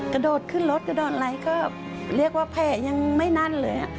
กระโดดขึ้นรถกระโดดอะไรก็เรียกว่าแผลยังไม่นั่นเลย